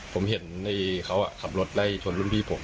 ผมเห็นในเขาขับรถไล่ชนรุ่นพี่ผม